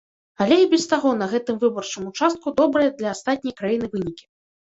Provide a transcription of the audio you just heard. Але і без таго на гэтым выбарчым участку добрыя для астатняй краіны вынікі.